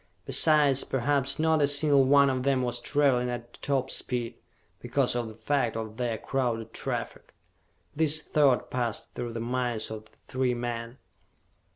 Besides, perhaps not a single one of them was traveling at top speed, because of the fact of their crowded traffic. This thought passed through the minds of the three men.